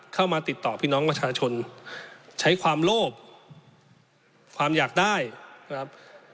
เข้ามาติดต่อพี่น้องประชาชนใช้ความโลภความอยากได้นะครับ